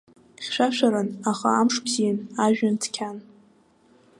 Хьшәашәаран, аха амш бзиан, ажәҩан цқьан.